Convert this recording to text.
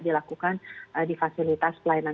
dilakukan di fasilitas pelayanan